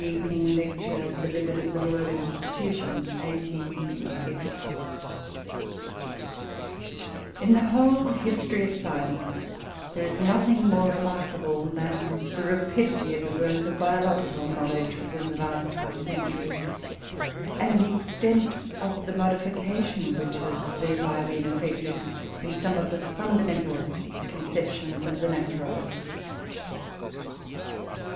VI ON THE BORDER TERRITORY BETWEEN THE ANIMAL AND THE VEGETABLE KINGDOMS In the whole history of science there is nothing more remarkable than the rapidity of the growth of biological knowledge within the last half century, and the extent of the modification which has thereby been effected in some of the fundamental conceptions of the naturalist.